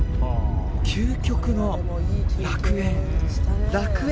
究極の楽園。